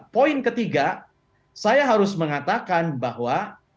poin ketiga saya harus mengatakan bahwa